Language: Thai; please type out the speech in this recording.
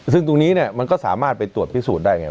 ซึ่งตรงนี้มันก็สามารถไปตรวจพิสูจน์ได้ไง